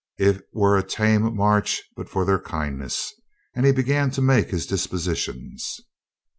It were a tame march but for their kindness," and he began to make his dispositions.